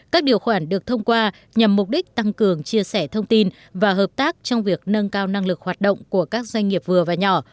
các điều khoản được thông qua nhằm mục đích tăng cường chia sẻ thông tin và hợp tác trong việc nâng cao năng lực hoạt động của các doanh nghiệp vừa và nhỏ